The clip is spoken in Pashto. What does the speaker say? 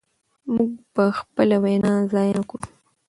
موږ به خپله وینه ضایع نه کړو.